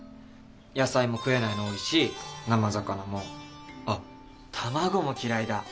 野菜も食えないの多いし生魚もあっ卵も嫌いだ。